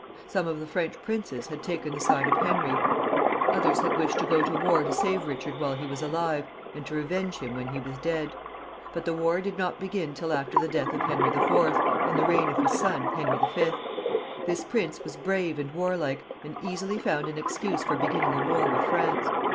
Some of the French princes had taken the side of Henry, others had wished to go to war to save Eichard while he was alive, and to revenge him when he was dead. But the war did not begin till after the death of Henry IV., in the reign of his son, Henry V. This prince was brave and warlike, and easily found an excuse for beginning a war with France.